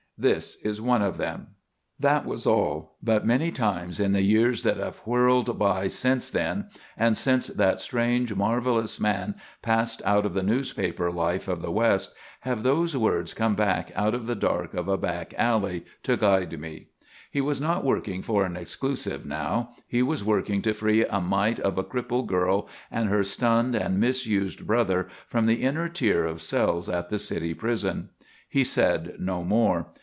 This is one of them." That was all. But many times in the years that have whirled by since then and since that strange, marvellous man passed out of the newspaper life of the west, have those words come back out of the dark of a back alley, to guide me. He was not working for an "exclusive" now; he was working to free a mite of a cripple girl and her stunned and misused brother from the inner tier of cells at the city prison. He said no more.